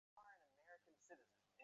ভুলে যাওয়াটা অনেক সহজ!